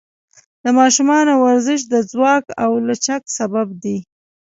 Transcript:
د ماشومانو ورزش د ځواک او لچک سبب دی.